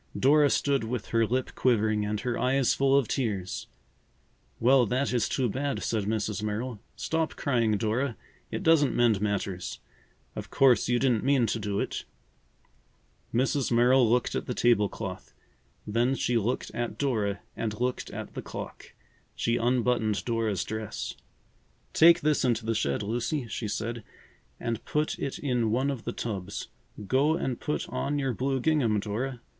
Dora stood with her lip quivering and her eyes full of tears. "Well, that is too bad," said Mrs. Merrill. "Stop crying, Dora; it doesn't mend matters. Of course you didn't mean to do it." [Illustration: WHAT POSSESSED TIMOTHY JUST THEN?—Page 199.] Mrs. Merrill looked at the table cloth. Then she looked at Dora and looked at the clock. She unbuttoned Dora's dress. "Take this into the shed, Lucy," she said, "and put it in one of the tubs. Go and put on your blue gingham, Dora.